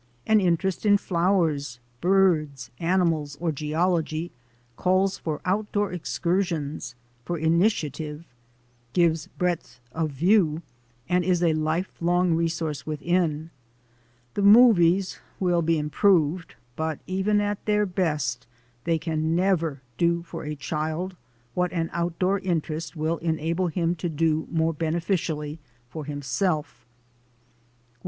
An interest in flowers, birds, animals, or geology calls i 9 6 THE ADVENTURES OF A NATURE GUIDE for outdoor excursions, for initiative, gives breadth of view, and is a life long resource within. The movies will be improved, but even at their best they can never do for a child what an outdoor in terest will enable him to do more beneficially for himself.